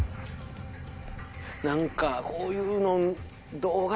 何かこういうの。